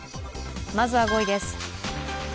まずは５位です。